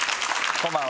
こんばんは。